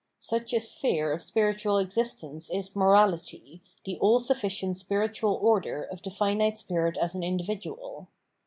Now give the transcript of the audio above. Such a sphere of spiritual existence is Morality, the all sufficient spiritual order of the finite spirit as an individual.